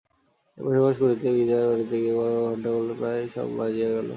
এপাশ ওপাশ করিতে করিতে গির্জার ঘড়িতে বড়ো বড়ো ঘন্টাগুলো প্রায় সব কটা বাজিয়া গেল।